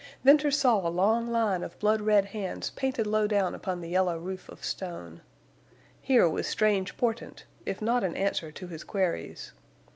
Venters saw a long line of blood red hands painted low down upon the yellow roof of stone. Here was strange portent, if not an answer to his queries.